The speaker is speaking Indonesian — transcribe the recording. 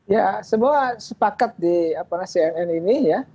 ya semua sepakat di cnn ini ya